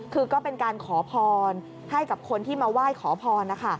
คือก็เป็นการขอพรให้กับคนที่มาไหว้ขอพรนะคะ